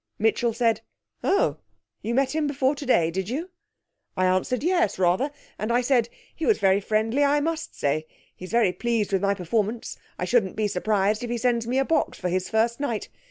Mitchell said, "Oh, you met him before today, did you?" I answered, "Yes, rather," and I said, "He was very friendly, I must say. He's very pleased with my performance. I shouldn't be surprised if he sends me a box for his First Night.